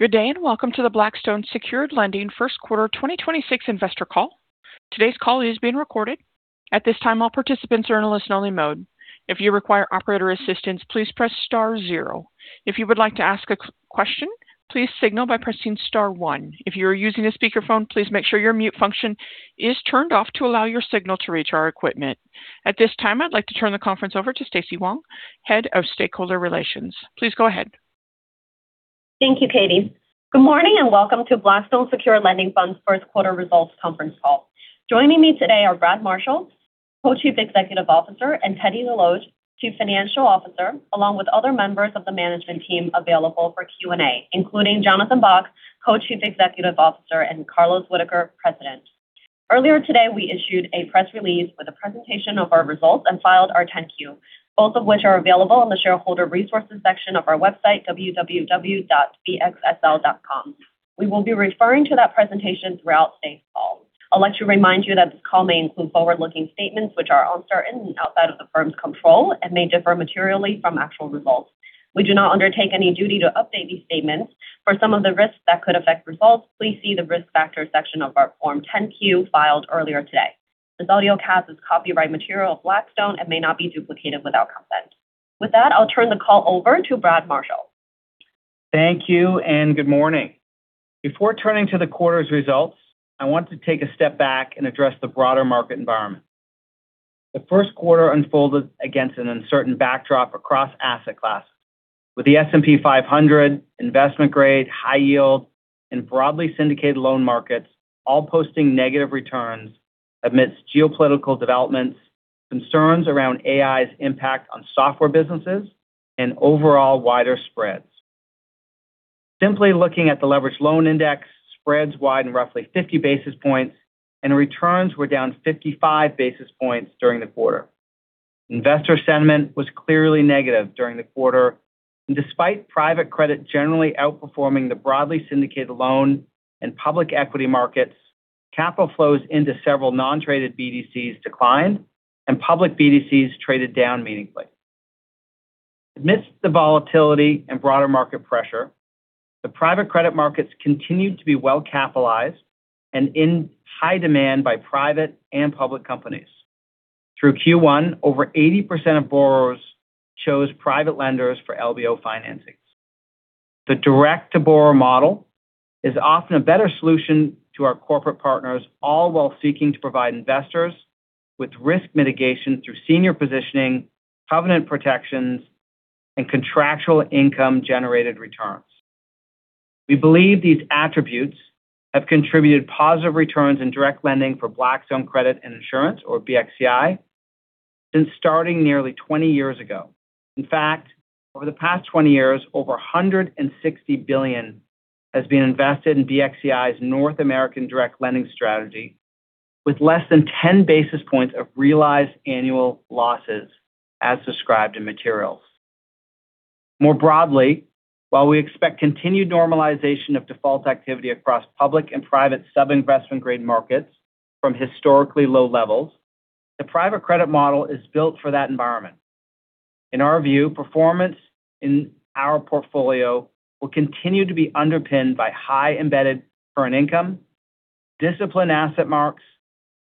Good day, welcome to the Blackstone Secured Lending First Quarter 2026 investor call. Today's call is being recorded. At this time, all participants are in a listen-only mode. If you require operator assistance, please press star zero. If you would like to ask a question, please signal by pressing star one. If you are using a speakerphone, please make sure your mute function is turned off to allow your signal to reach our equipment. At this time, I'd like to turn the conference over to Stacy Wang, Head of Stakeholder Relations. Please go ahead. Thank you, Katie. Good morning, and welcome to Blackstone Secured Lending Fund's first quarter results conference call. Joining me today are Brad Marshall, Co-Chief Executive Officer, and Teddy Desloge, Chief Financial Officer, along with other members of the management team available for Q&A, including Jonathan Bock, Co-Chief Executive Officer, and Carlos Whitaker, President. Earlier today, we issued a press release with a presentation of our results and filed our 10-Q, both of which are available on the shareholder resources section of our website, www.bxsl.com. We will be referring to that presentation throughout today's call. I'd like to remind you that this call may include forward-looking statements which are uncertain and outside of the firm's control and may differ materially from actual results. We do not undertake any duty to update these statements. For some of the risks that could affect results, please see the risk factors section of our form 10-Q filed earlier today. This audiocast is copyright material of Blackstone and may not be duplicated without consent. With that, I'll turn the call over to Brad Marshall. Thank you and good morning. Before turning to the quarter's results, I want to take a step back and address the broader market environment. The first quarter unfolded against an uncertain backdrop across asset classes, with the S&P 500, investment grade, high yield, and broadly syndicated loan markets all posting negative returns amidst geopolitical developments, concerns around AI's impact on software businesses, and overall wider spreads. Simply looking at the leveraged loan index, spreads widened roughly 50 basis points, and returns were down 55 basis points during the quarter. Investor sentiment was clearly negative during the quarter. Despite private credit generally outperforming the broadly syndicated loan and public equity markets, capital flows into several non-traded BDCs declined and public BDCs traded down meaningfully. Amidst the volatility and broader market pressure, the private credit markets continued to be well-capitalized and in high demand by private and public companies. Through Q1, over 80% of borrowers chose private lenders for LBO financings. The direct-to-borrower model is often a better solution to our corporate partners, all while seeking to provide investors with risk mitigation through senior positioning, covenant protections, and contractual income-generated returns. We believe these attributes have contributed positive returns in direct lending for Blackstone Credit & Insurance, or BXCI, since starting nearly 20 years ago. Over the past 20 years, over $160 billion has been invested in BXCI's North American direct lending strategy with less than 10 basis points of realized annual losses, as described in materials. More broadly, while we expect continued normalization of default activity across public and private sub-investment grade markets from historically low levels, the private credit model is built for that environment. In our view, performance in our portfolio will continue to be underpinned by high embedded earn income, disciplined asset marks,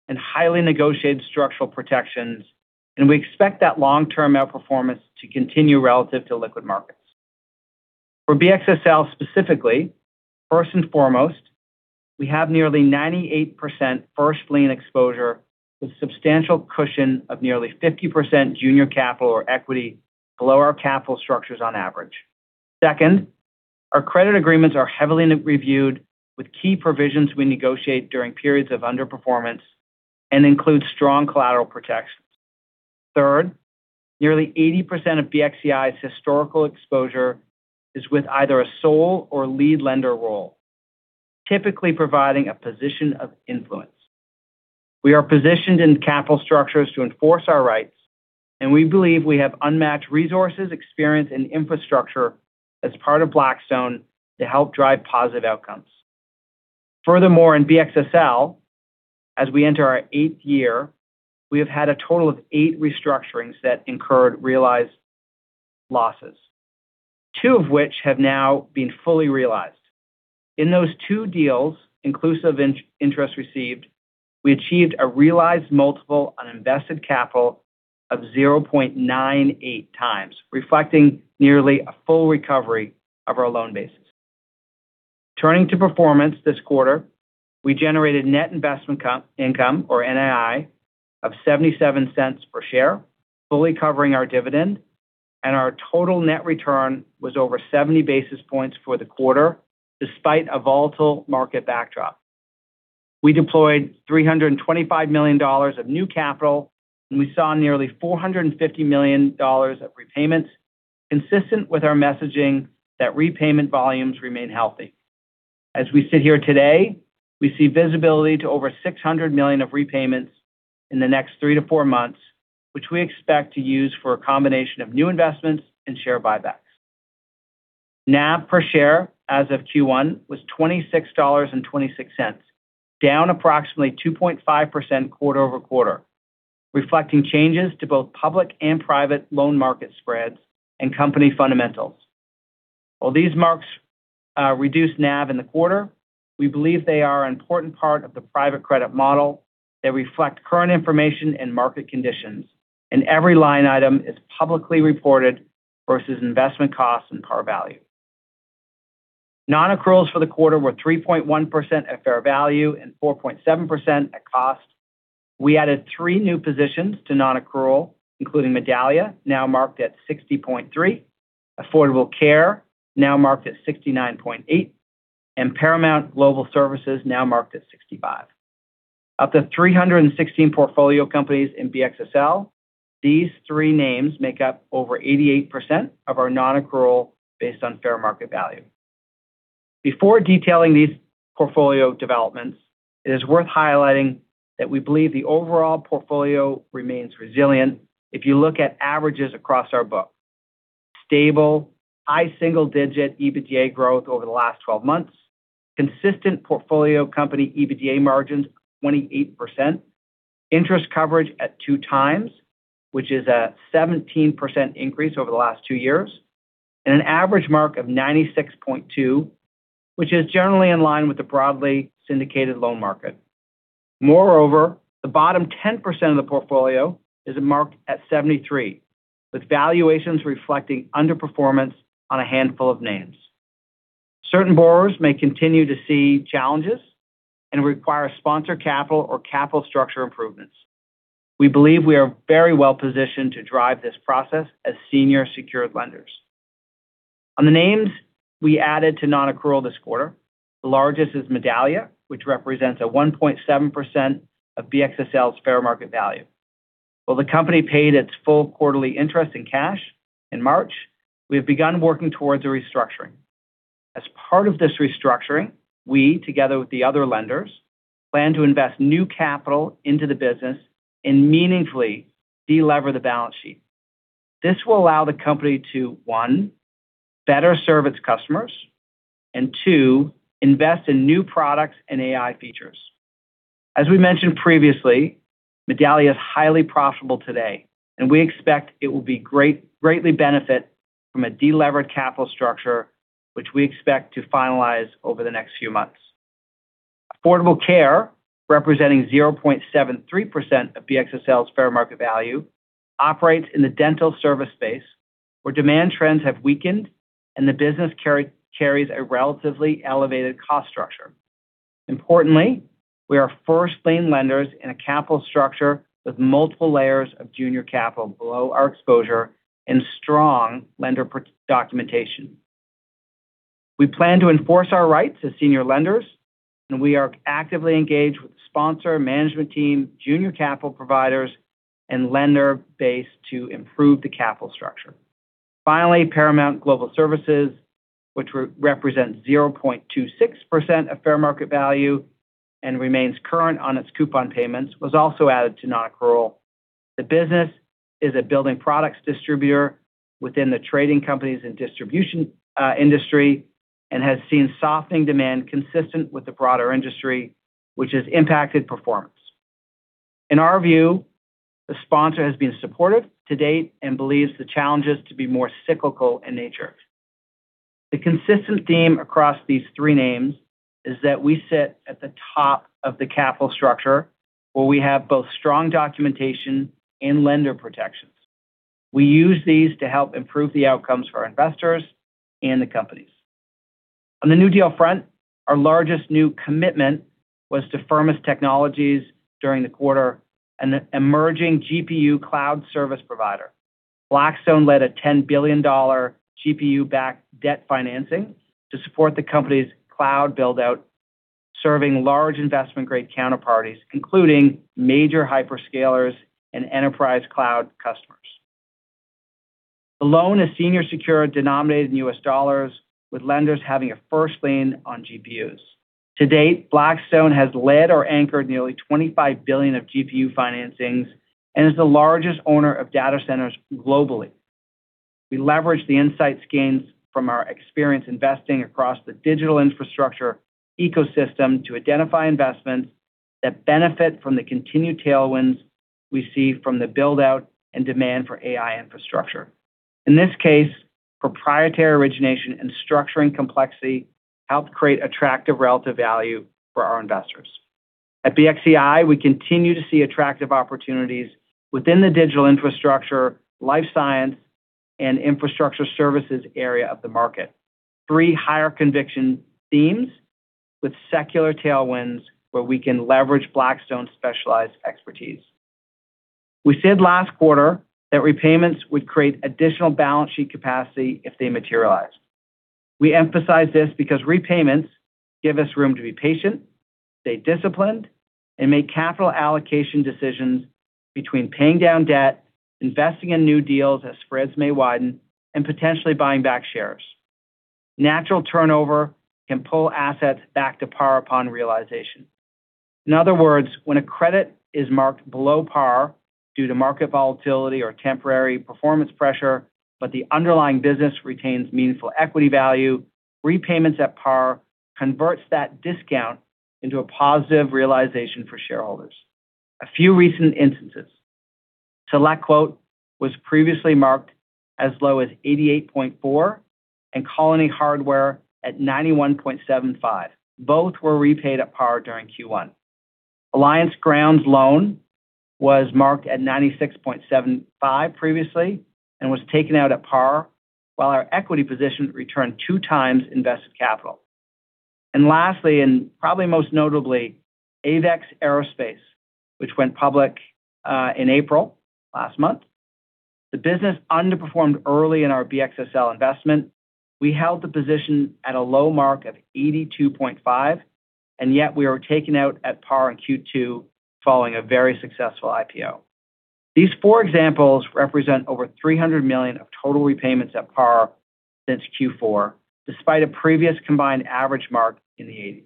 and highly negotiated structural protections. We expect that long-term outperformance to continue relative to liquid markets. For BXSL specifically, first and foremost, we have nearly 98% first lien exposure with substantial cushion of nearly 50% junior capital or equity below our capital structures on average. Second, our credit agreements are heavily reviewed with key provisions we negotiate during periods of underperformance and include strong collateral protections. Third, nearly 80% of BXCI's historical exposure is with either a sole or lead lender role, typically providing a position of influence. We are positioned in capital structures to enforce our rights. We believe we have unmatched resources, experience, and infrastructure as part of Blackstone to help drive positive outcomes. Furthermore, in BXSL, as we enter our eighth year, we have had a total of eight restructurings that incurred realized losses, two of which have now been fully realized. In those two deals, inclusive interest received, we achieved a realized multiple on invested capital of 0.98x, reflecting nearly a full recovery of our loan basis. Turning to performance this quarter, we generated net investment income, or NII, of $0.77 per share, fully covering our dividend. Our total net return was over 70 basis points for the quarter despite a volatile market backdrop. We deployed $325 million of new capital. We saw nearly $450 million of repayments, consistent with our messaging that repayment volumes remain healthy. As we sit here today, we see visibility to over $600 million of repayments in the next 3 to 4 months, which we expect to use for a combination of new investments and share buybacks. NAV per share as of Q1 was $26.26, down approximately 2.5% quarter-over-quarter. Reflecting changes to both public and private loan market spreads and company fundamentals. While these marks reduce NAV in the quarter, we believe they are an important part of the private credit model that reflect current information and market conditions. Every line item is publicly reported versus investment costs and par value. Non-accruals for the quarter were 3.1% at fair value and 4.7% at cost. We added three new positions to non-accrual, including Medallia, now marked at 60.3, Affordable Care, now marked at 69.8, and Paramount Global Services, now marked at 65. Of the 316 portfolio companies in BXSL, these three names make up over 88% of our non-accrual based on fair market value. Before detailing these portfolio developments, it is worth highlighting that we believe the overall portfolio remains resilient if you look at averages across our book. Stable, high single-digit EBITDA growth over the last 12 months. Consistent portfolio company EBITDA margins of 28%. Interest coverage at two times, which is a 17% increase over the last 2 years. An average mark of 96.2, which is generally in line with the broadly syndicated loan market. Moreover, the bottom 10% of the portfolio is marked at 73, with valuations reflecting underperformance on a handful of names. Certain borrowers may continue to see challenges and require sponsor capital or capital structure improvements. We believe we are very well positioned to drive this process as senior secured lenders. On the names we added to non-accrual this quarter, the largest is Medallia, which represents a 1.7% of BXSL's fair market value. While the company paid its full quarterly interest in cash in March, we have begun working towards a restructuring. As part of this restructuring, we, together with the other lenders, plan to invest new capital into the business and meaningfully delever the balance sheet. This will allow the company to, one, better serve its customers and two, invest in new products and AI features. As we mentioned previously, Medallia is highly profitable today, and we expect it will greatly benefit from a delevered capital structure, which we expect to finalize over the next few months. Affordable Care, representing 0.73% of BXSL's fair market value, operates in the dental service space, where demand trends have weakened and the business carries a relatively elevated cost structure. Importantly, we are first lien lenders in a capital structure with multiple layers of junior capital below our exposure and strong lender documentation. We plan to enforce our rights as senior lenders, and we are actively engaged with the sponsor management team, junior capital providers, and lender base to improve the capital structure. Finally, Paramount Global Services, which represents 0.26% of fair market value and remains current on its coupon payments, was also added to non-accrual. The business is a building products distributor within the trading companies and distribution industry, and has seen softening demand consistent with the broader industry, which has impacted performance. In our view, the sponsor has been supportive to date and believes the challenge is to be more cyclical in nature. The consistent theme across these three names is that we sit at the top of the capital structure where we have both strong documentation and lender protections. We use these to help improve the outcomes for our investors and the companies. On the new deal front, our largest new commitment was to Firmus Technologies during the quarter, an emerging GPU Cloud service provider. Blackstone led a $10 billion GPU-backed debt financing to support the company's Cloud build-out, serving large investment-grade counterparties, including major hyperscalers and enterprise Cloud customers. The loan is senior secured, denominated in U.S. dollars, with lenders having a first lien on GPUs. To date, Blackstone has led or anchored nearly $25 billion of GPU financings and is the largest owner of data centers globally. We leverage the insights gained from our experience investing across the digital infrastructure ecosystem to identify investments that benefit from the continued tailwinds we see from the build-out and demand for AI infrastructure. In this case, proprietary origination and structuring complexity helped create attractive relative value for our investors. At BXCI, we continue to see attractive opportunities within the digital infrastructure, life science, and infrastructure services area of the market. Three higher conviction themes with secular tailwinds where we can leverage Blackstone's specialized expertise. We said last quarter that repayments would create additional balance sheet capacity if they materialized. We emphasize this because repayments give us room to be patient, stay disciplined, and make capital allocation decisions between paying down debt, investing in new deals as spreads may widen, and potentially buying back shares. Natural turnover can pull assets back to par upon realization. In other words, when a credit is marked below par due to market volatility or temporary performance pressure, but the underlying business retains meaningful equity value. Repayments at par converts that discount into a positive realization for shareholders. A few recent instances. SelectQuote was previously marked as low as 88.4, and Colony Hardware at 91.75. Both were repaid at par during Q1. Alliance Ground's loan was marked at 96.75 previously and was taken out at par, while our equity position returned 2x invested capital. Lastly, and probably most notably, AEVEX Aerospace, which went public in April last month. The business underperformed early in our BXSL investment. We held the position at a low mark of 82.5, and yet we are taken out at par in Q2 following a very successful IPO. These four examples represent over $300 million of total repayments at par since Q4, despite a previous combined average mark in the 1980s.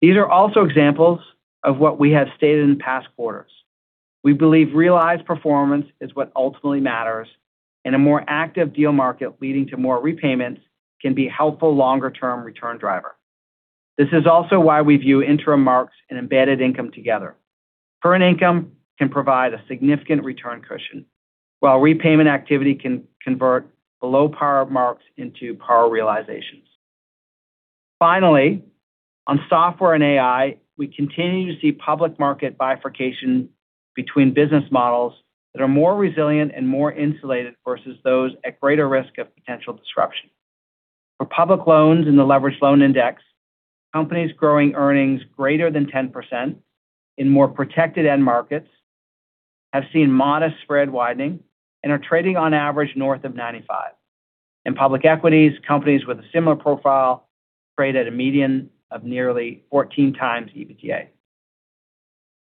These are also examples of what we have stated in past quarters. We believe realized performance is what ultimately matters, and a more active deal market leading to more repayments can be a helpful longer-term return driver. This is also why we view interim marks and embedded income together. Current income can provide a significant return cushion, while repayment activity can convert below par marks into par realizations. Finally, on software and AI, we continue to see public market bifurcation between business models that are more resilient and more insulated versus those at greater risk of potential disruption. For public loans in the leveraged loan index, companies growing earnings greater than 10% in more protected end markets have seen modest spread widening and are trading on average north of 95. In public equities, companies with a similar profile trade at a median of nearly 14x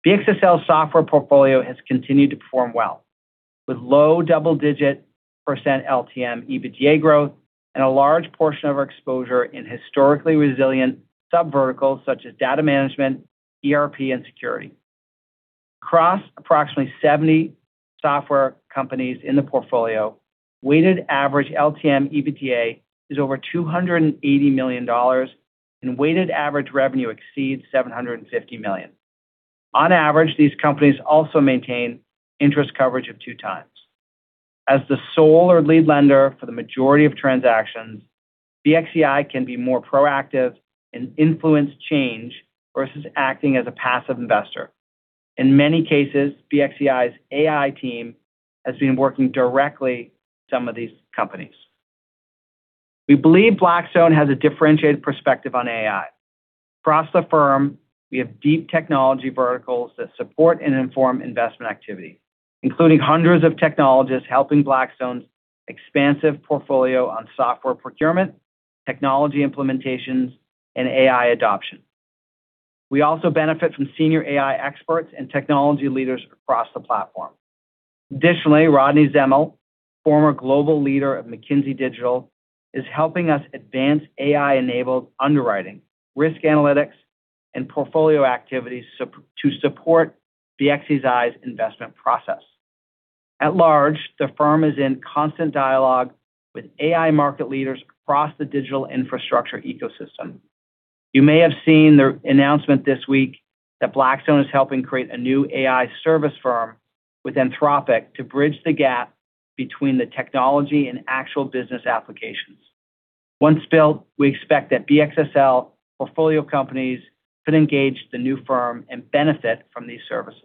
EBITDA. BXSL software portfolio has continued to perform well, with low double-digit percent LTM EBITDA growth and a large portion of our exposure in historically resilient subverticals such as data management, ERP, and security. Across approximately 70 software companies in the portfolio, weighted average LTM EBITDA is over $280 million, and weighted average revenue exceeds $750 million. On average, these companies also maintain interest coverage of two times. As the sole or lead lender for the majority of transactions, BXCI can be more proactive and influence change versus acting as a passive investor. In many cases, BXCI's AI team has been working directly with some of these companies. We believe Blackstone has a differentiated perspective on AI. Across the firm, we have deep technology verticals that support and inform investment activity, including hundreds of technologists helping Blackstone's expansive portfolio on software procurement, technology implementations, and AI adoption. We also benefit from senior AI experts and technology leaders across the platform. Additionally, Rodney Zemmel, former global leader of McKinsey Digital, is helping us advance AI-enabled underwriting, risk analytics, and portfolio activities to support BXCI's investment process. At large, the firm is in constant dialogue with AI market leaders across the digital infrastructure ecosystem. You may have seen the announcement this week that Blackstone is helping create a new AI service firm with Anthropic to bridge the gap between the technology and actual business applications. Once built, we expect that BXSL portfolio companies could engage the new firm and benefit from these services.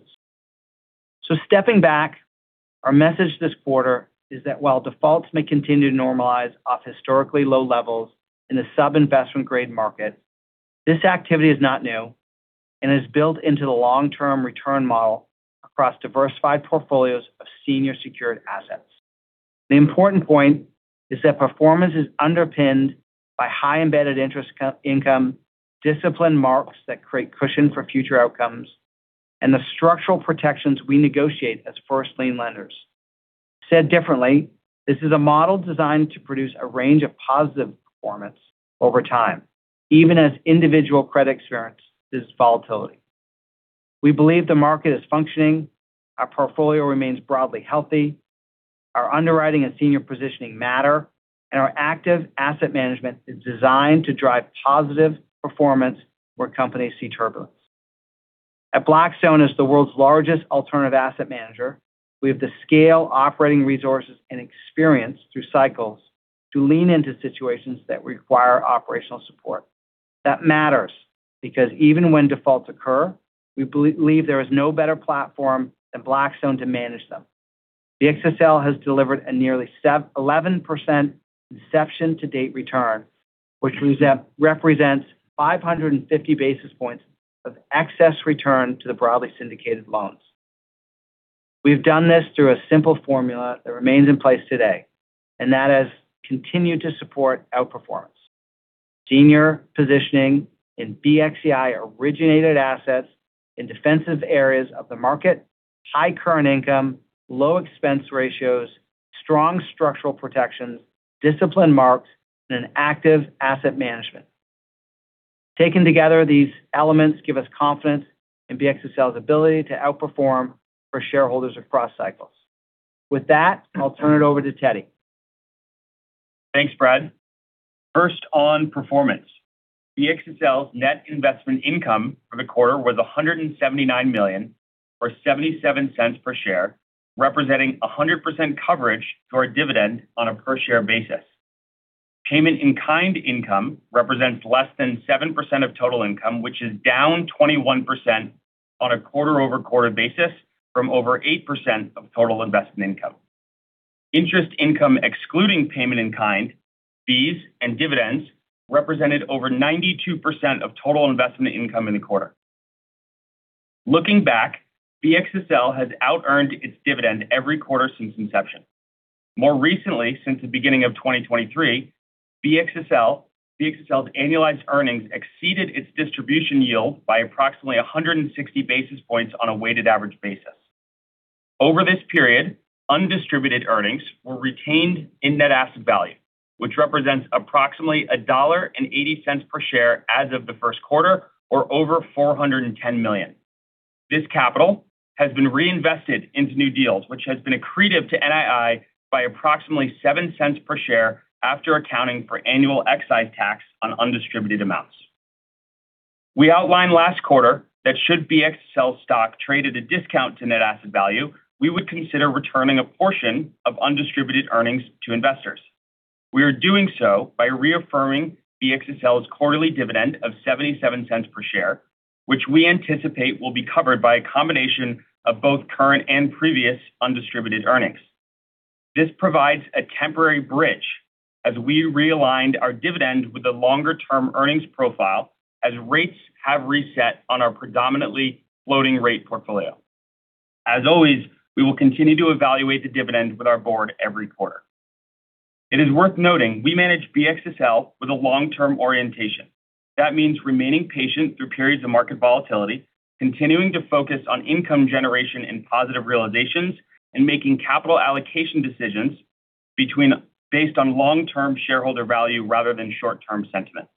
Stepping back, our message this quarter is that while defaults may continue to normalize off historically low levels in the sub-investment grade market, this activity is not new and is built into the long-term return model across diversified portfolios of senior secured assets. The important point is that performance is underpinned by high embedded interest income, disciplined marks that create cushion for future outcomes, and the structural protections we negotiate as first lien lenders. Said differently, this is a model designed to produce a range of positive performance over time, even as individual credit experience sees volatility. We believe the market is functioning, our portfolio remains broadly healthy, our underwriting and senior positioning matter, and our active asset management is designed to drive positive performance where companies see turbulence. At Blackstone, as the world's largest alternative asset manager, we have the scale, operating resources, and experience through cycles to lean into situations that require operational support. That matters because even when defaults occur, we believe there is no better platform than Blackstone to manage them. BXSL has delivered a nearly 11% inception to date return, which represents 550 basis points of excess return to the broadly syndicated loans. We've done this through a simple formula that remains in place today, and that has continued to support outperformance. Senior positioning in BXCI-originated assets in defensive areas of the market, high current income, low expense ratios, strong structural protections, disciplined marks, and an active asset management. Taken together, these elements give us confidence in BXSL's ability to outperform for shareholders across cycles. With that, I'll turn it over to Teddy. Thanks, Brad. First on performance. BXSL's net investment income for the quarter was $179 million, or $0.77 per share, representing 100% coverage to our dividend on a per share basis. Payment in kind income represents less than 7% of total income, which is down 21% on a quarter-over-quarter basis from over 8% of total investment income. Interest income excluding payment in kind, fees, and dividends represented over 92% of total investment income in the quarter. Looking back, BXSL has out earned its dividend every quarter since inception. More recently, since the beginning of 2023, BXSL's annualized earnings exceeded its distribution yield by approximately 160 basis points on a weighted average basis. Over this period, undistributed earnings were retained in net asset value, which represents approximately $1.80 per share as of the first quarter, or over $410 million. This capital has been reinvested into new deals, which has been accretive to NII by approximately $0.07 per share after accounting for annual excise tax on undistributed amounts. We outlined last quarter that should BXSL stock trade at a discount to net asset value, we would consider returning a portion of undistributed earnings to investors. We are doing so by reaffirming BXSL's quarterly dividend of $0.77 per share, which we anticipate will be covered by a combination of both current and previous undistributed earnings. This provides a temporary bridge as we realigned our dividend with a longer-term earnings profile as rates have reset on our predominantly floating rate portfolio. As always, we will continue to evaluate the dividend with our board every quarter. It is worth noting we manage BXSL with a long-term orientation. That means remaining patient through periods of market volatility, continuing to focus on income generation and positive realizations, and making capital allocation decisions based on long-term shareholder value rather than short-term sentiment.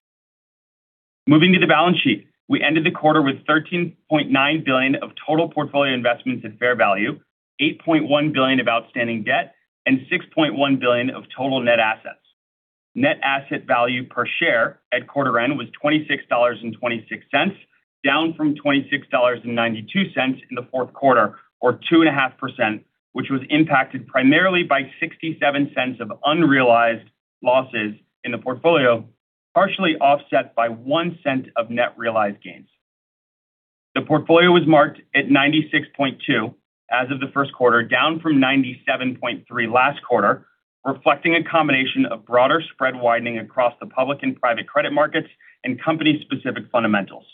Moving to the balance sheet, we ended the quarter with $13.9 billion of total portfolio investments at fair value, $8.1 billion of outstanding debt, and $6.1 billion of total net assets. Net Asset Value per share at quarter end was $26.26, down from $26.92 in the fourth quarter, or 2.5%, which was impacted primarily by $0.67 of unrealized losses in the portfolio, partially offset by $0.01 of net realized gains. The portfolio was marked at 96.2 as of the first quarter, down from 97.3 last quarter, reflecting a combination of broader spread widening across the public and private credit markets and company specific fundamentals.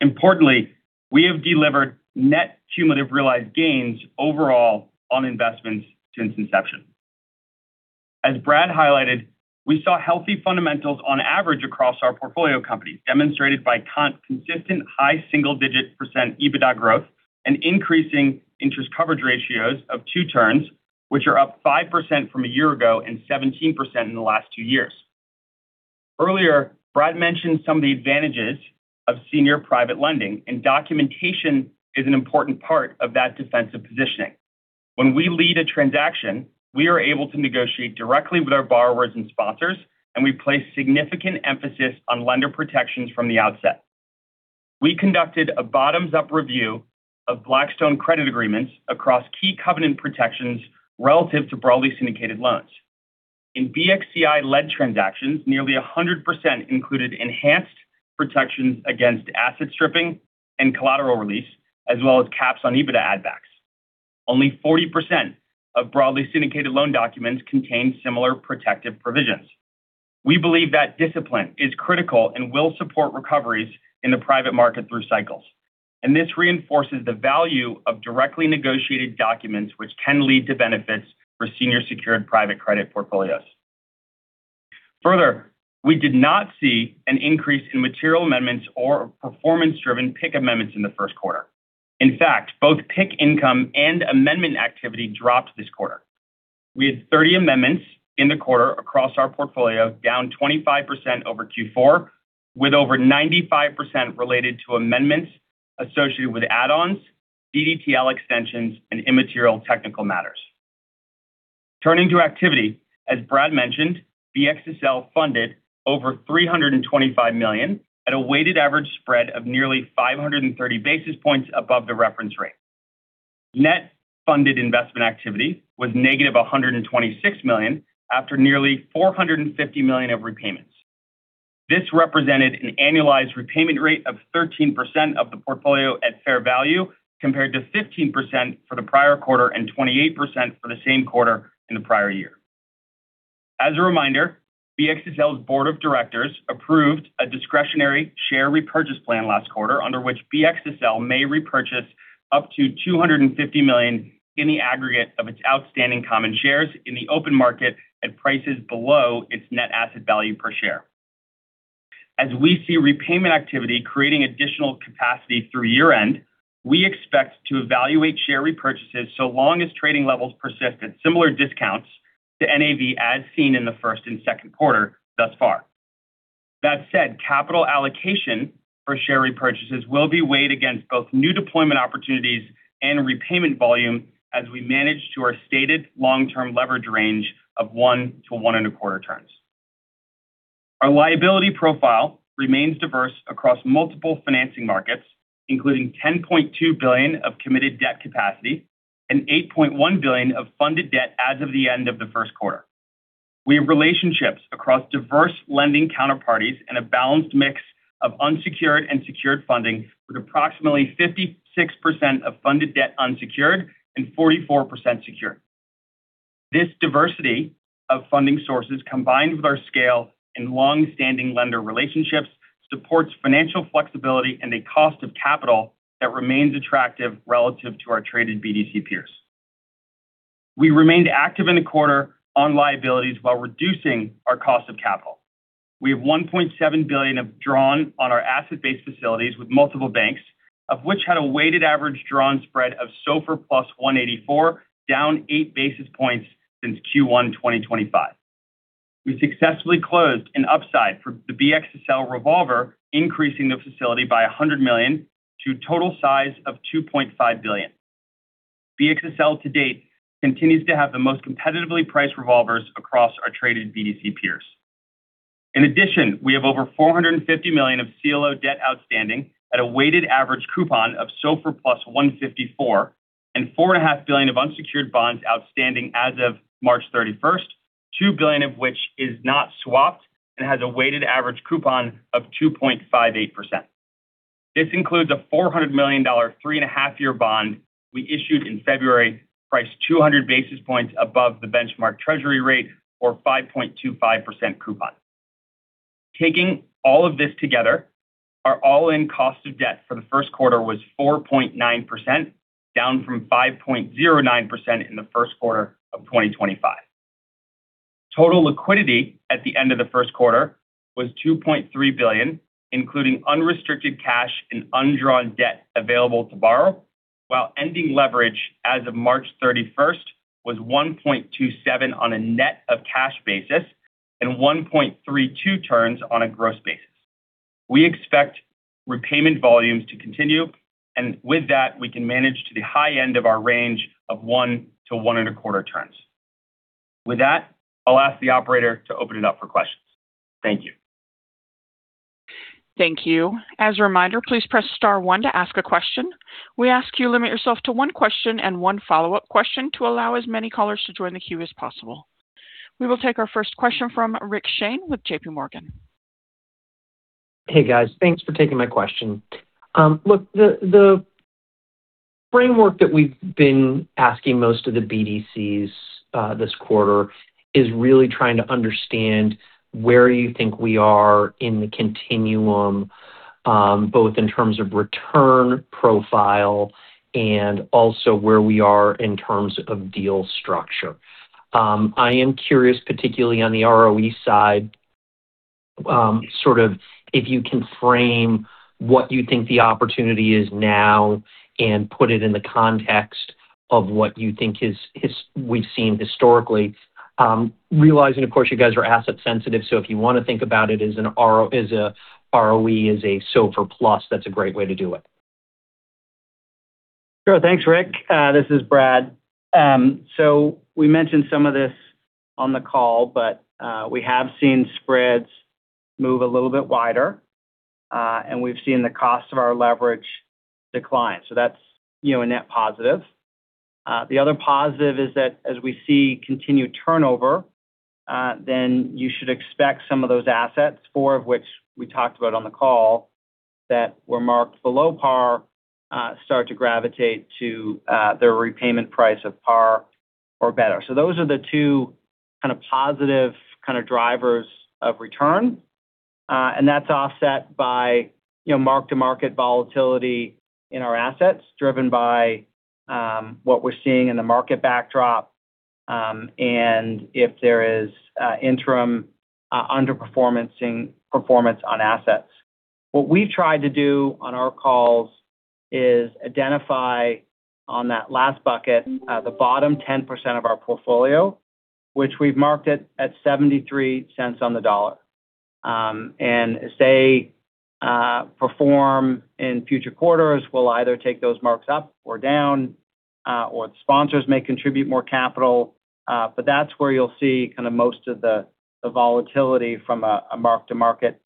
Importantly, we have delivered net cumulative realized gains overall on investments since inception. As Brad highlighted, we saw healthy fundamentals on average across our portfolio companies, demonstrated by consistent high single-digit percent EBITDA growth and increasing interest coverage ratios of two turns, which are up 5% from a year ago and 17% in the last 2 years. Earlier, Brad mentioned some of the advantages of senior private lending. Documentation is an important part of that defensive positioning. When we lead a transaction, we are able to negotiate directly with our borrowers and sponsors. We place significant emphasis on lender protections from the outset. We conducted a bottoms-up review of Blackstone credit agreements across key covenant protections relative to broadly syndicated loans. In BXCI-led transactions, nearly 100 included enhanced protections against asset stripping and collateral release, as well as caps on EBITDA add backs. Only 40% of broadly syndicated loan documents contain similar protective provisions. We believe that discipline is critical and will support recoveries in the private market through cycles. This reinforces the value of directly negotiated documents which can lead to benefits for senior secured private credit portfolios. Further, we did not see an increase in material amendments or performance driven PIK amendments in the first quarter. Both PIK income and amendment activity dropped this quarter. We had 30 amendments in the quarter across our portfolio, down 25% over Q4, with over 95% related to amendments associated with add-ons, DDTL extensions, and immaterial technical matters. Turning to activity, as Brad mentioned, BXSL funded over $325 million at a weighted average spread of nearly 530 basis points above the reference rate. Net funded investment activity was -$126 million after nearly $450 million of repayments. This represented an annualized repayment rate of 13% of the portfolio at fair value, compared to 15% for the prior quarter and 28% for the same quarter in the prior year. As a reminder, BXSL's board of directors approved a discretionary share repurchase plan last quarter under which BXSL may repurchase up to $250 million in the aggregate of its outstanding common shares in the open market at prices below its net asset value per share. As we see repayment activity creating additional capacity through year-end, we expect to evaluate share repurchases so long as trading levels persist at similar discounts to NAV as seen in the 1st and 2nd quarter thus far. That said, capital allocation for share repurchases will be weighed against both new deployment opportunities and repayment volume as we manage to our stated long-term leverage range of one to one and quarter turns. Our liability profile remains diverse across multiple financing markets, including $10.2 billion of committed debt capacity and $8.1 billion of funded debt as of the end of the first quarter. We have relationships across diverse lending counterparties and a balanced mix of unsecured and secured funding, with approximately 56% of funded debt unsecured and 44% secured. This diversity of funding sources, combined with our scale and long-standing lender relationships, supports financial flexibility and a cost of capital that remains attractive relative to our traded BDC peers. We remained active in the quarter on liabilities while reducing our cost of capital. We have $1.7 billion of drawn on our asset-based facilities with multiple banks, of which had a weighted average drawn spread of SOFR plus 184, down 8 basis points since Q1 2025. We successfully closed an upside for the BXSL revolver, increasing the facility by $100 million to a total size of $2.5 billion. BXSL to date continues to have the most competitively priced revolvers across our traded BDC peers. In addition, we have over $450 million of CLO debt outstanding at a weighted average coupon of SOFR plus 154, and $4.5 billion of unsecured bonds outstanding as of March 31st, $2 billion of which is not swapped and has a weighted average coupon of 2.58%. This includes a $400 million, 3.5-year bond we issued in February, priced 200 basis points above the benchmark treasury rate, or 5.25% coupon. Taking all of this together, our all-in cost of debt for the first quarter was 4.9%, down from 5.09% in the first quarter of 2025. Total liquidity at the end of the first quarter was $2.3 billion, including unrestricted cash and undrawn debt available to borrow, while ending leverage as of March 31st was 1.27 on a net of cash basis and 1.32 turns on a gross basis. We expect repayment volumes to continue, with that, we can manage to the high end of our range of 1-1.25 turns. With that, I'll ask the operator to open it up for questions. Thank you. Thank you. As a reminder, please press star one to ask a question. We ask you limit yourself to one question and one follow-up question to allow as many callers to join the queue as possible. We will take our first question from Rick Shane with J.P. Morgan. Hey, guys. Thanks for taking my question. Look, the framework that we've been asking most of the BDCs this quarter is really trying to understand where you think we are in the continuum, both in terms of return profile and also where we are in terms of deal structure. I am curious, particularly on the ROE side, sort of if you can frame what you think the opportunity is now and put it in the context of what you think is we've seen historically, realizing, of course, you guys are asset sensitive, so if you want to think about it as a ROE as a SOFR plus, that's a great way to do it. Sure. Thanks, Rick. This is Brad. We mentioned some of this on the call, but we have seen spreads move a little bit wider, and we've seen the cost of our leverage decline. That's, you know, a net positive. The other positive is that as we see continued turnover, then you should expect some of those assets, four of which we talked about on the call, that were marked below par, start to gravitate to their repayment price of par or better. Those are the two kind of positive kind of drivers of return, and that's offset by, mark-to-market volatility in our assets, driven by what we're seeing in the market backdrop, and if there is interim underperformancing performance on assets. What we've tried to do on our calls is identify on that last bucket, the bottom 10% of our portfolio, which we've marked it at $0.73 on the dollar. As they perform in future quarters, we'll either take those marks up or down, or the sponsors may contribute more capital, but that's where you'll see kind of most of the volatility from a mark-to-market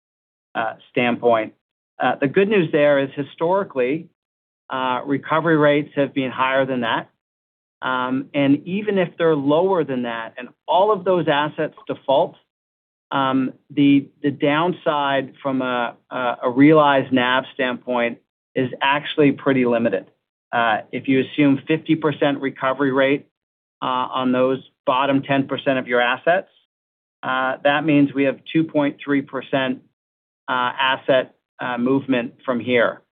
standpoint. The good news there is historically, recovery rates have been higher than that. Even if they're lower than that and all of those assets default, the downside from a realized NAV standpoint is actually pretty limited. If you assume 50% recovery rate on those bottom 10% of your assets, that means we have 2.3% asset movement from here.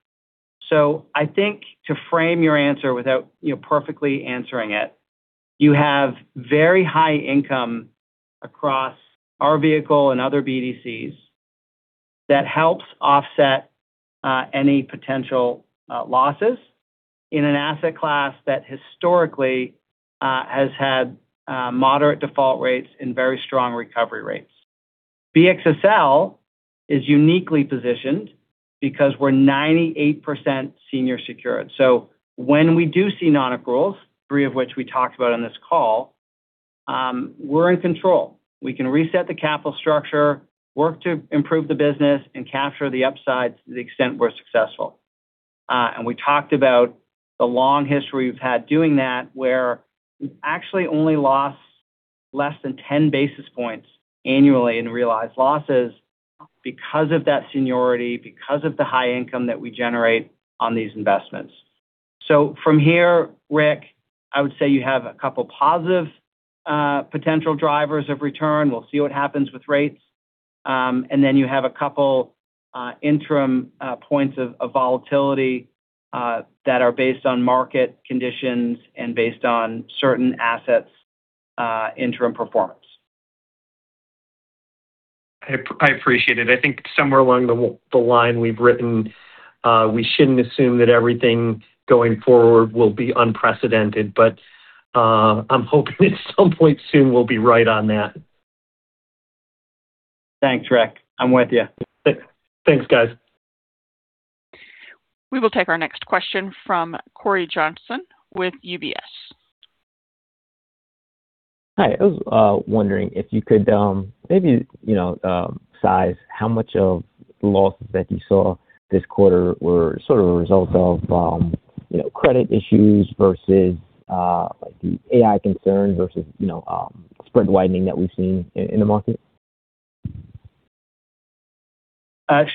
I think to frame your answer without, you know, perfectly answering it, you have very high income across our vehicle and other BDCs. That helps offset any potential losses in an asset class that historically has had moderate default rates and very strong recovery rates. BXSL is uniquely positioned because we're 98% senior secured. When we do see non-accruals, three of which we talked about on this call, we're in control. We can reset the capital structure, work to improve the business, and capture the upsides to the extent we're successful. We talked about the long history we've had doing that, where we've actually only lost less than 10 basis points annually in realized losses because of that seniority, because of the high income that we generate on these investments. From here, Rick, I would say you have a couple positive potential drivers of return. We'll see what happens with rates. You have a couple interim points of volatility that are based on market conditions and based on certain assets' interim performance. I appreciate it. I think somewhere along the line we've written, we shouldn't assume that everything going forward will be unprecedented, but I'm hoping at some point soon we'll be right on that. Thanks, Rick. I'm with you. Thanks, guys. We will take our next question from Cory Johnson with UBS. Hi. I was wondering if you could, maybe, you know, size how much of losses that you saw this quarter were sort of a result of, you know, credit issues versus, like the AI concerns versus, you know, spread widening that we've seen in the market?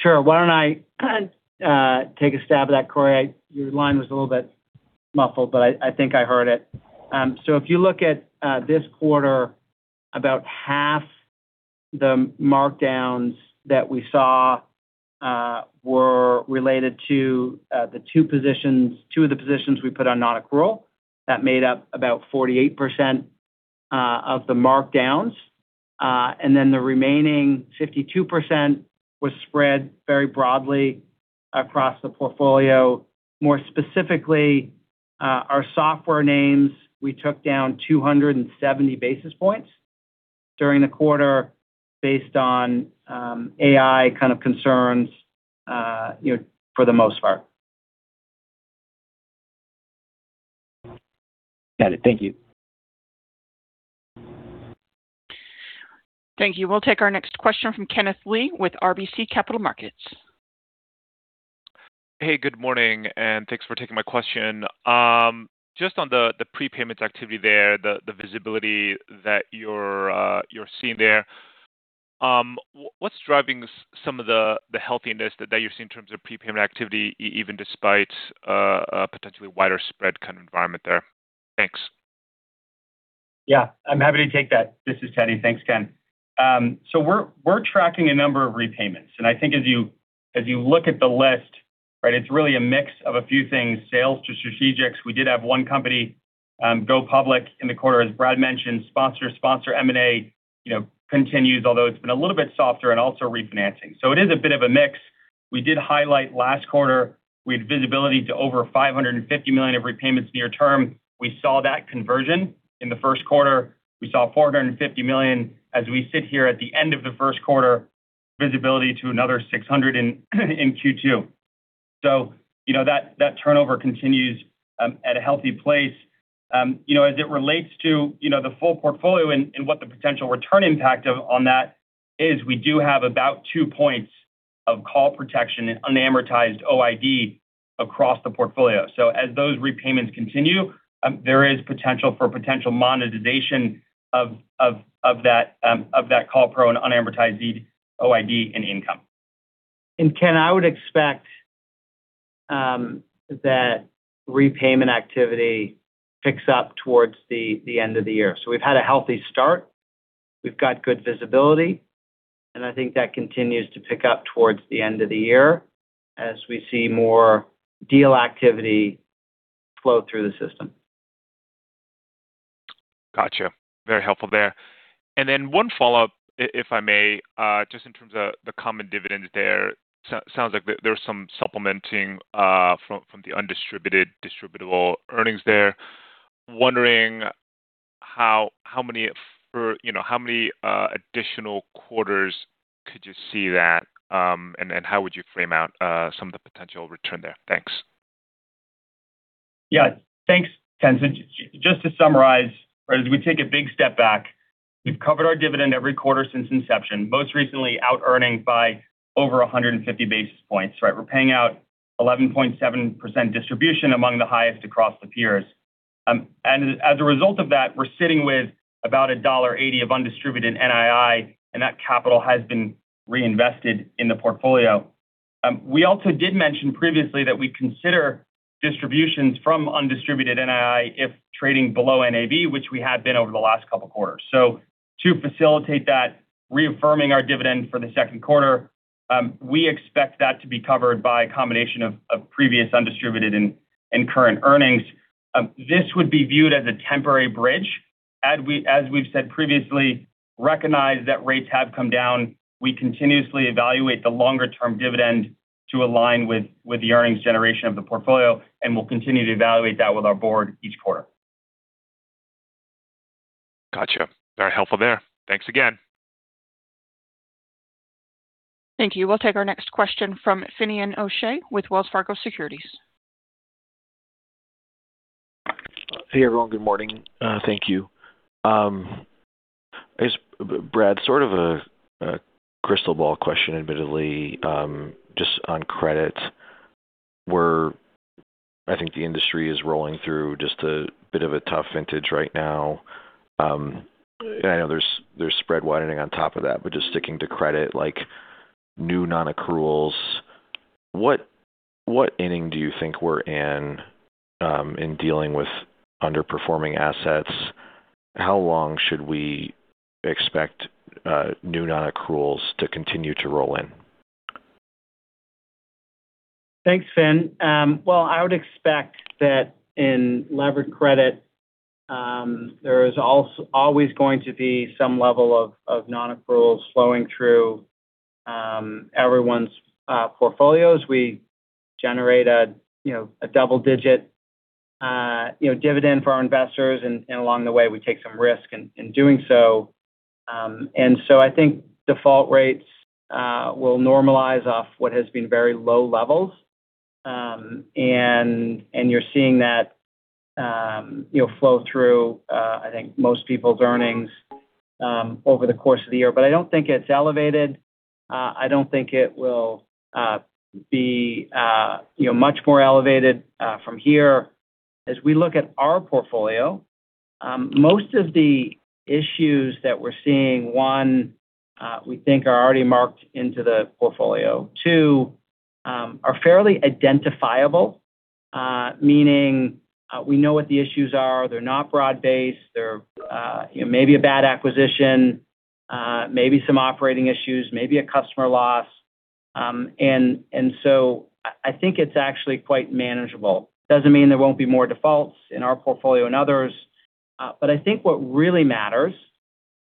Sure. Why don't I take a stab at that, Cory. Your line was a little bit muffled, but I think I heard it. If you look at this quarter, about half the markdowns that we saw were related to two of the positions we put on non-accrual. That made up about 48% of the markdowns. The remaining 52% was spread very broadly across the portfolio. More specifically, our software names, we took down 270 basis points during the quarter based on AI kind of concerns, you know, for the most part. Got it. Thank you. Thank you. We'll take our next question from Kenneth Lee with RBC Capital Markets. Hey, good morning, and thanks for taking my question. Just on the prepayment activity there, the visibility that you're seeing there, what's driving some of the healthiness that you're seeing in terms of prepayment activity even despite a potentially wider spread kind of environment there? Thanks. Yeah, I'm happy to take that. This is Teddy. Thanks, Ken. We're tracking a number of repayments. I think as you look at the list, right, it's really a mix of a few things, sales to strategics. We did have one company go public in the quarter, as Brad mentioned. Sponsor M&A, you know, continues, although it's been a little bit softer and also refinancing. It is a bit of a mix. We did highlight last quarter, we had visibility to over $550 million of repayments near term. We saw that conversion in the first quarter. We saw $450 million as we sit here at the end of the first quarter, visibility to another $600 million in Q2. You know, that turnover continues at a healthy place. As it relates to, you know, the full portfolio and what the potential return impact on that is, we do have about two points of call protection and unamortized OID across the portfolio. As those repayments continue, there is potential for monetization of that call protection and unamortized OID and income. Ken, I would expect that repayment activity picks up towards the end of the year. We've had a healthy start. We've got good visibility, and I think that continues to pick up towards the end of the year as we see more deal activity flow through the system. Gotcha. Very helpful there. One follow-up, if I may, just in terms of the common dividends there. Sounds like there's some supplementing from the undistributed distributable earnings there. Wondering how many you know, how many additional quarters could you see that, and then how would you frame out some of the potential return there? Thanks. Thanks, Ken. Just to summarize, right, as we take a big step back, we've covered our dividend every quarter since inception, most recently outearning by over 150 basis points, right? We're paying out 11.7% distribution among the highest across the peers. As a result of that, we're sitting with about $1.80 of undistributed NII, and that capital has been reinvested in the portfolio. We also did mention previously that we consider distributions from undistributed NII if trading below NAV, which we have been over the last couple quarters. To facilitate that, reaffirming our dividend for the 2nd quarter, we expect that to be covered by a combination of previous undistributed and current earnings. This would be viewed as a temporary bridge As we've said previously, we recognize that rates have come down. We continuously evaluate the longer-term dividend to align with the earnings generation of the portfolio, and we'll continue to evaluate that with our board each quarter. Gotcha. Very helpful there. Thanks again. Thank you. We'll take our next question from Finian O'Shea with Wells Fargo Securities. Hey, everyone. Good morning. Thank you. I guess, Brad, sort of a crystal ball question, admittedly, just on credit. I think the industry is rolling through just a bit of a tough vintage right now. And I know there's spread widening on top of that, but just sticking to credit, like new non-accruals, what inning do you think we're in, in dealing with underperforming assets? How long should we expect new non-accruals to continue to roll in? Thanks, Fin. Well, I would expect that in levered credit, there is always going to be some level of non-accruals flowing through everyone's portfolios. We generate, a double-digit, you know, dividend for our investors and along the way, we take some risk in doing so. I think default rates will normalize off what has been very low levels. You're seeing that flow through I think most people's earnings over the course of the year. I don't think it's elevated. I don't think it will be much more elevated from here. As we look at our portfolio, most of the issues that we're seeing, one, we think are already marked into the portfolio. Two, are fairly identifiable, meaning, we know what the issues are. They're not broad-based. They're, you know, maybe a bad acquisition, maybe some operating issues, maybe a customer loss. I think it's actually quite manageable. Doesn't mean there won't be more defaults in our portfolio and others. I think what really matters,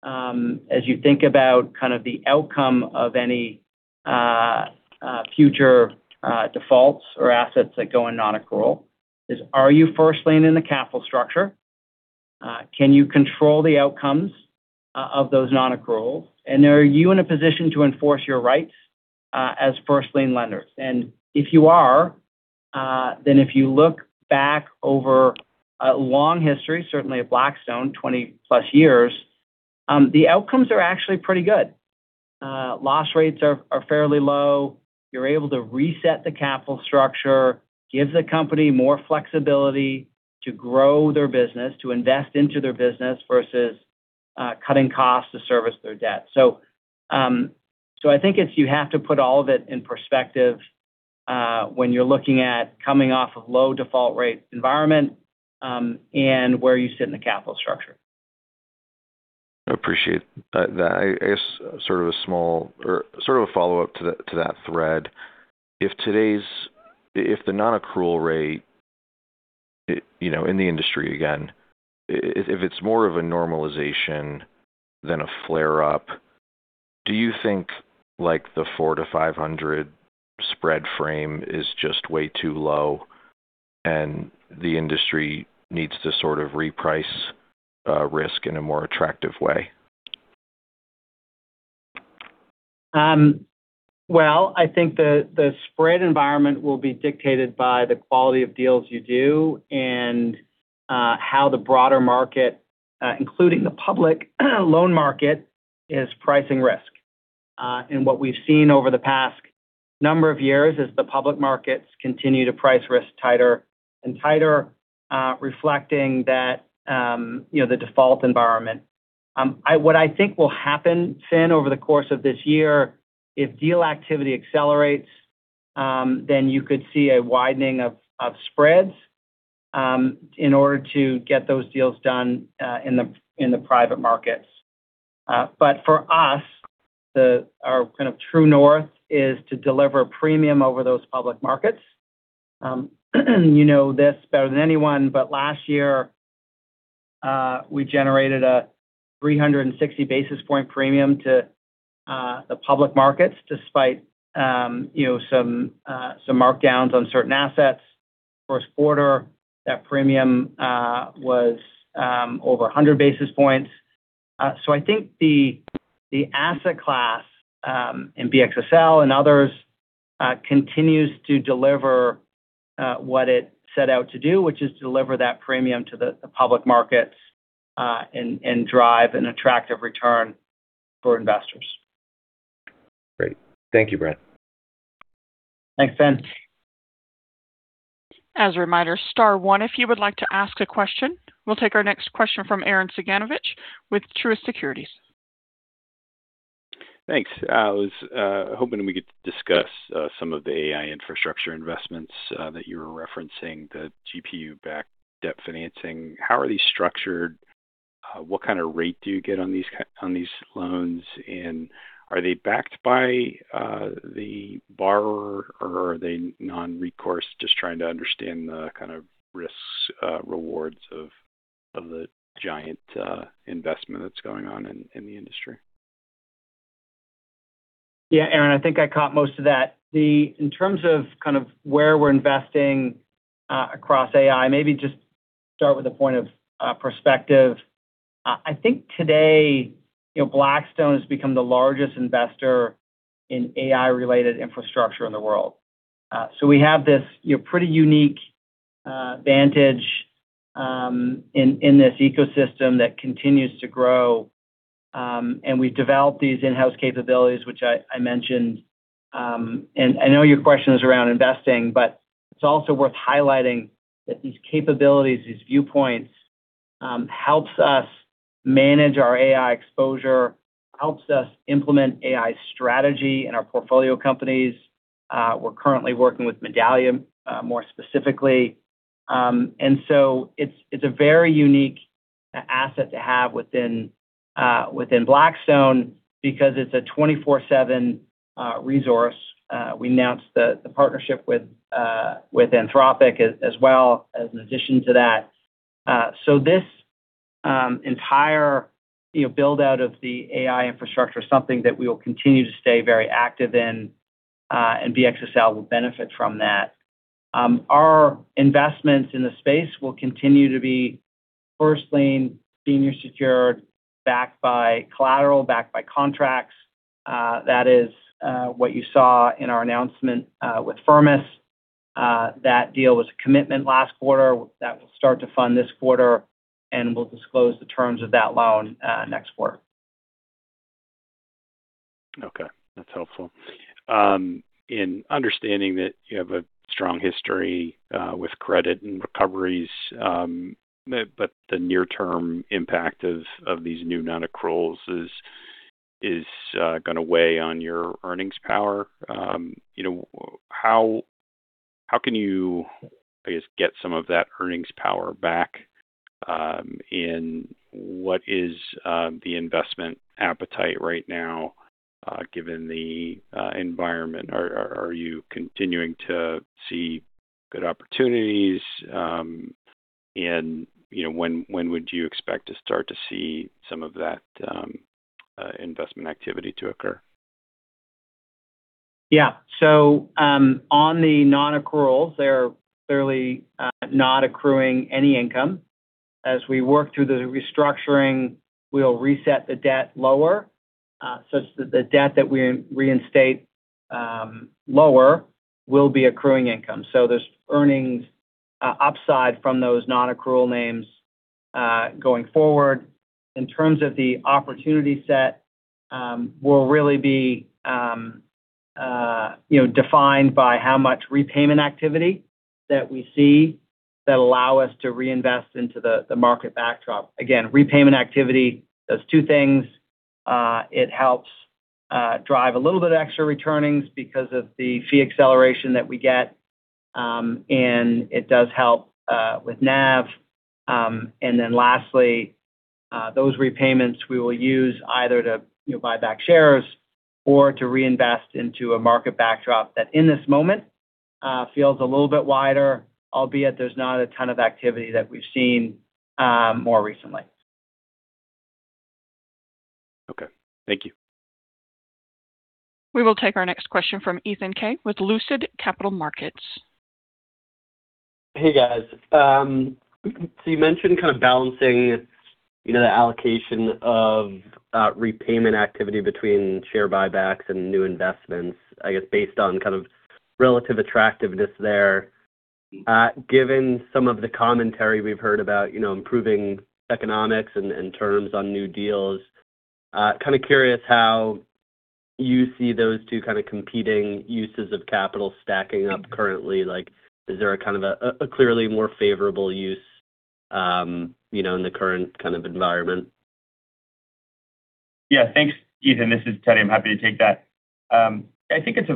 as you think about kind of the outcome of any future defaults or assets that go in non-accrual is, are you first lien in the capital structure? Can you control the outcomes of those non-accruals? Are you in a position to enforce your rights as first lien lenders? If you are, then if you look back over a long history, certainly at Blackstone, 20+years, the outcomes are actually pretty good. Loss rates are fairly low. You're able to reset the capital structure, gives the company more flexibility to grow their business, to invest into their business versus cutting costs to service their debt. I think it's you have to put all of it in perspective when you're looking at coming off of low default rate environment and where you sit in the capital structure. I appreciate that. I guess sort of a small or sort of a follow-up to that thread. If the non-accrual rate, you know, in the industry, again, if it's more of a normalization than a flare-up, do you think like the 400-500 spread frame is just way too low and the industry needs to sort of reprice risk in a more attractive way? Well, I think the spread environment will be dictated by the quality of deals you do and how the broader market, including the public loan market, is pricing risk. What we've seen over the past number of years is the public markets continue to price risk tighter and tighter, reflecting that, you know, the default environment. What I think will happen, Fin, over the course of this year, if deal activity accelerates, then you could see a widening of spreads in order to get those deals done in the private markets. For us, our kind of true north is to deliver premium over those public markets. You know this better than anyone, last year, we generated a 360 basis point premium to the public markets despite some markdowns on certain assets. First quarter, that premium was over 100 basis points. I think the asset class in BXSL and others continues to deliver what it set out to do, which is deliver that premium to the public markets and drive an attractive return for investors. Great. Thank you, Brad. Thanks, Fin. As a reminder, star one if you would like to ask a question. We'll take our next question from Arren Cyganovich with Truist Securities. Thanks. I was hoping we could discuss some of the AI infrastructure investments that you were referencing, the GPU-backed debt financing. How are these structured? What kind of rate do you get on these loans? Are they backed by the borrower or are they non-recourse? Just trying to understand the kind of risks, rewards of the giant investment that's going on in the industry. Yeah, Arren, I think I caught most of that. In terms of kind of where we're investing, across AI, maybe just start with a point of perspective. I think today, you know, Blackstone has become the largest investor in AI-related infrastructure in the world. We have this, you know, pretty unique vantage in this ecosystem that continues to grow. We've developed these in-house capabilities, which I mentioned. I know your question is around investing, it's also worth highlighting that these capabilities, these viewpoints, helps us manage our AI exposure, helps us implement AI strategy in our portfolio companies. We're currently working with Medallia, more specifically. It's a very unique asset to have within Blackstone because it's a 24/7 resource. We announced the partnership with Anthropic as well as an addition to that. This entire, you know, build-out of the AI infrastructure is something that we will continue to stay very active in, and BXSL will benefit from that. Our investments in the space will continue to be first lien, senior secured, backed by collateral, backed by contracts. That is what you saw in our announcement with Firmus. That deal was a commitment last quarter. That will start to fund this quarter, and we'll disclose the terms of that loan next quarter. Okay, that's helpful. In understanding that you have a strong history with credit and recoveries, but the near-term impact of these new non-accruals is gonna weigh on your earnings power. You know, how can you, I guess, get some of that earnings power back, in what is the investment appetite right now, given the environment? Are you continuing to see good opportunities? And, you know, when would you expect to start to see some of that investment activity to occur? Yeah. On the non-accruals, they're clearly not accruing any income. As we work through the restructuring, we'll reset the debt lower, such that the debt that we reinstate lower will be accruing income. There's earnings upside from those non-accrual names going forward. In terms of the opportunity set, will really be, you know, defined by how much repayment activity that we see that allow us to reinvest into the market backdrop. Again, repayment activity does two things. It helps drive a little bit of extra returnings because of the fee acceleration that we get. It does help with NAV. Lastly, those repayments we will use either to, you know, buy back shares or to reinvest into a market backdrop that in this moment, feels a little bit wider, albeit there's not a ton of activity that we've seen, more recently. Okay. Thank you. We will take our next question from Ethan Kaye with Lucid Capital Markets. Hey, guys. You mentioned kind of balancing, you know, the allocation of repayment activity between share buybacks and new investments, I guess, based on kind of relative attractiveness there. Given some of the commentary we've heard about, you know, improving economics and terms on new deals, kinda curious how you see those two kind of competing uses of capital stacking up currently. Like, is there a kind of a clearly more favorable use, you know, in the current kind of environment? Yeah. Thanks, Ethan. This is Teddy. I'm happy to take that. I think it's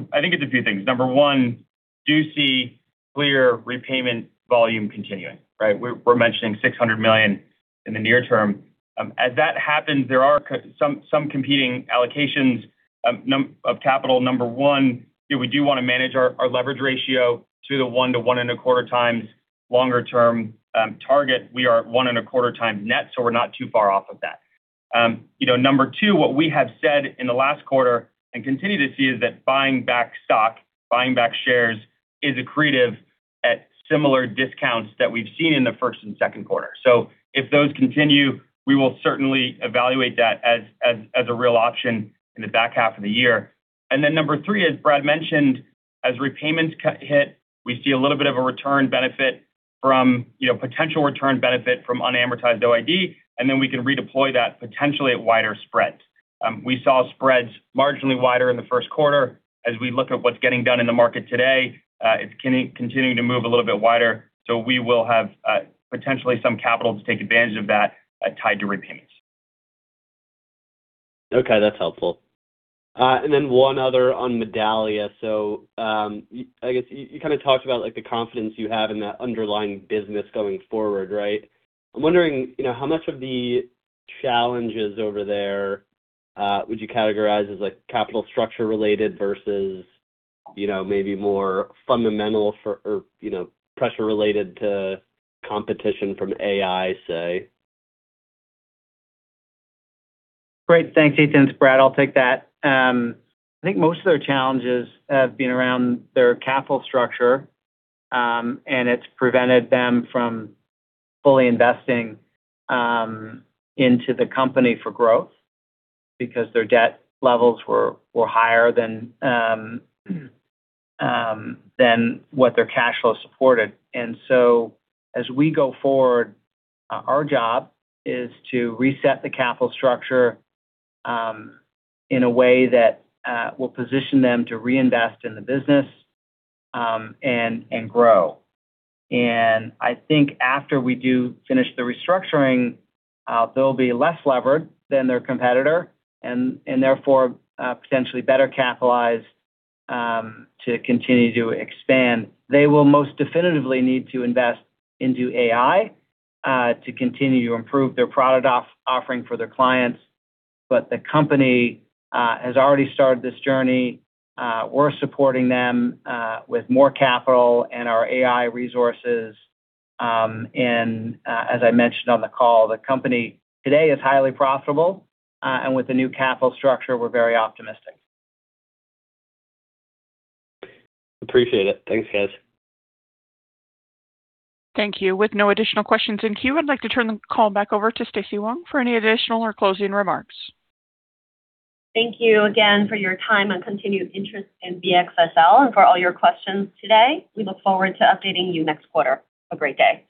a few things. Number one, do see clear repayment volume continuing, right? We're mentioning $600 million in the near term. As that happens, there are some competing allocations of capital. Number one, you know, we do wanna manage our leverage ratio to the 1x to 1.25x longer term target. We are at 1.25x net, so we're not too far off of that. You know, number two, what we have said in the last quarter and continue to see is that buying back stock, buying back shares is accretive at similar discounts that we've seen in the first and second quarter. If those continue, we will certainly evaluate that as a real option in the back half of the year. Number three, as Brad mentioned, as repayments hit, we see a little bit of a return benefit from potential return benefit from unamortized OID, we can redeploy that potentially at wider spreads. We saw spreads marginally wider in the first quarter. As we look at what's getting done in the market today, it's continuing to move a little bit wider. We will have potentially some capital to take advantage of that tied to repayments. Okay, that's helpful. Then one other on Medallia. I guess you kinda talked about like the confidence you have in the underlying business going forward, right? I'm wondering, you know, how much of the challenges over there would you categorize as like capital structure related versus, you know, maybe more fundamental or, you know, pressure related to competition from AI, say? Great. Thanks, Ethan. It's Brad. I'll take that. I think most of their challenges have been around their capital structure, and it's prevented them from fully investing into the company for growth because their debt levels were higher than what their cash flow supported. As we go forward, our job is to reset the capital structure in a way that will position them to reinvest in the business and grow. I think after we do finish the restructuring, they'll be less levered than their competitor and therefore potentially better capitalized to continue to expand. They will most definitively need to invest into AI to continue to improve their product offering for their clients. The company has already started this journey. We're supporting them with more capital and our AI resources. As I mentioned on the call, the company today is highly profitable. With the new capital structure, we're very optimistic. Appreciate it. Thanks, guys. Thank you. With no additional questions in queue, I'd like to turn the call back over to Stacy Wang for any additional or closing remarks. Thank you again for your time and continued interest in BXSL and for all your questions today. We look forward to updating you next quarter. Have a great day.